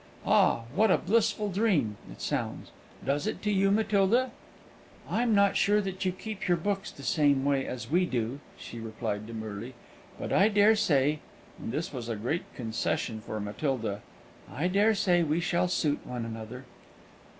Ah, what a blissful dream it sounds! Does it to you, Matilda?" "I'm not sure that you keep your books the same way as we do," she replied demurely; "but I dare say" (and this was a great concession for Matilda) "I dare say we shall suit one another."